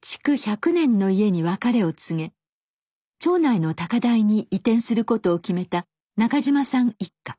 築１００年の家に別れを告げ町内の高台に移転することを決めた中島さん一家。